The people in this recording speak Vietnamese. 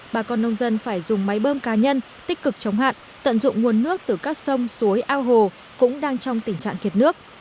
bà con nông dân phải dùng máy bơm cá nhân tích cực chống hạn tận dụng nguồn nước từ các sông suối ao hồ cũng đang trong tình trạng kiệt nước